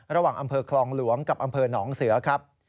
อำเภอคลองหลวงกับอำเภอหนองเสือครับ